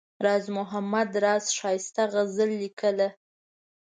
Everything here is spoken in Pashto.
راز محمد راز ښایسته غزل لیکله.